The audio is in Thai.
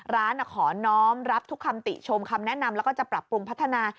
ร้านขอน้องรับทุกคำติชมคำแนะนำแล้วก็จะปรับปรุงพัฒนา